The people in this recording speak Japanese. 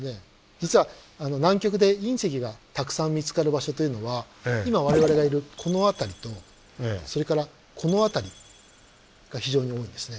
実は南極で隕石がたくさん見つかる場所というのは今我々がいるこの辺りとそれからこの辺りが非常に多いんですね。